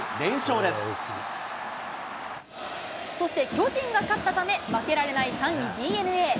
そして巨人が勝ったため、負けられない３位ＤｅＮＡ。